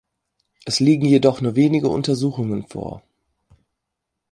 Es liegen jedoch nur wenige Untersuchungen vor.